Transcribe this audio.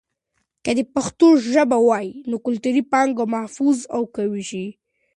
که پښتو ژبه وي، نو کلتوري پانګه محفوظ او قوي شي.